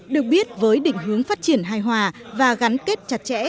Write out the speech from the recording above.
được biết với định hướng phát triển hài hòa và gắn kết chặt chặt với các cơ hội